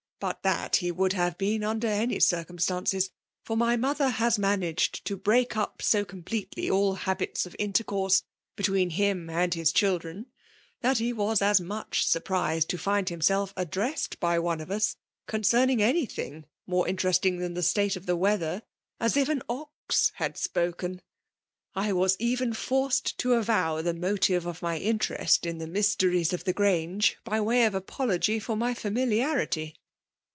Bat that he would hare been under any circumstances ; fat my mother has Humaged to break up so completely all habits of intercourse between him and hk dbiMhreiv that he was as much surpriaed to find himself addressed by one of us oonoeming any thiag more interesting than the state of the weathei^ as if an ox had spoken. I was even finced to avow the motive of my interest, in the iBys> teries of the Grange, by way of apology for my &miliarity.''